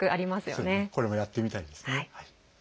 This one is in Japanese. これもやってみたいですね。